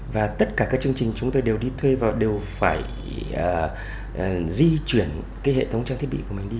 và tất cả các chương trình chúng tôi đều đi thuê và đều phải di chuyển cái hệ thống trang thiết bị của mình đi